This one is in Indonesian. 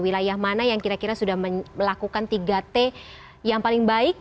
wilayah mana yang kira kira sudah melakukan tiga t yang paling baik